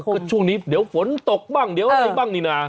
ก็ช่วงนี้เดี๋ยวฝนตกบ้างเดี๋ยวอะไรบ้างนี่นะ